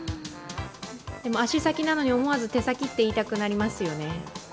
足先なのに、思わず手先って言いたくなりますよね。